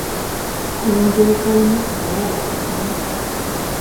この業界も、もう終わりかな